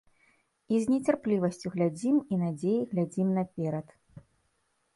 І з нецярплівасцю глядзім і надзеяй глядзім наперад.